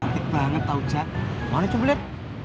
lihat gambar gak benar